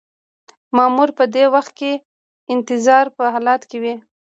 مامور په دې وخت کې د انتظار په حالت کې وي.